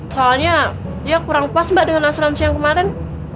soalnya ya kurang pas mbak dengan asuransi yang kemarin